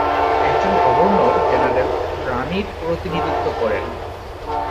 একজন governor general রাণীর প্রতিনিধিত্ব করেন।